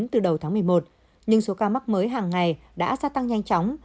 từ đầu tháng một mươi một nhưng số ca mắc mới hàng ngày đã gia tăng nhanh chóng